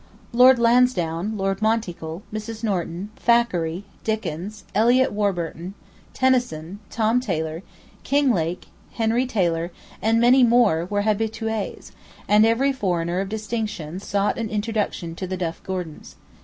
Lord Lansdowne, Lord Monteagle, Mrs. Norton, Thackeray, Dickens, Elliot Warburton, Tennyson, Tom Taylor, Kinglake, Henry Taylor, and many more, were habitués, and every foreigner of distinction sought an introduction to the Duff Gordons.